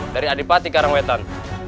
dari adipati karangwetan